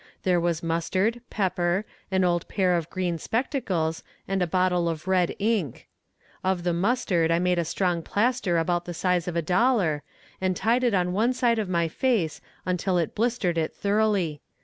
There was mustard, pepper, an old pair of green spectacles, and a bottle of red ink. Of the mustard I made a strong plaster about the size of a dollar, and tied it on one side of my face until it blistered it thoroughly.